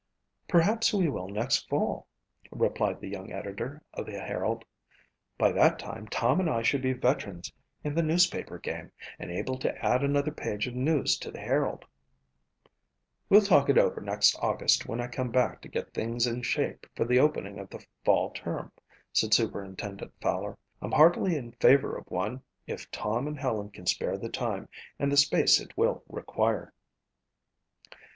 "Perhaps we will next fall," replied the young editor of the Herald. "By that time Tom and I should be veterans in the newspaper game and able to add another page of news to the Herald." "We'll talk it over next August when I come back to get things in shape for the opening of the fall term," said Superintendent Fowler. "I'm heartily in favor of one if Tom and Helen can spare the time and the space it will require."